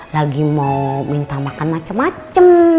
lagi mau minta makan macem macem